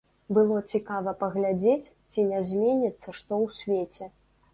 Было цікава паглядзець, ці не зменіцца што ў свеце.